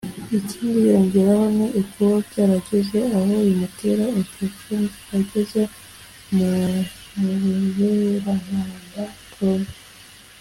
Ikindi yongeraho ni ukuba byarageze aho bimutera infections yageze mu murerantanga (trompe)